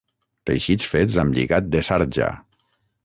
Teixits fets amb lligat de sarja.